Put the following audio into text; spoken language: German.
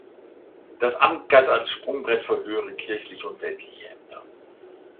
Das Amt galt als Sprungbrett für höhere kirchliche und weltliche Ämter.